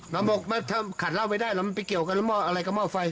ถ้าขาดเหล้าไม่ได้แล้วมันไปเกี่ยวกันอะไรกับหม้อไฟ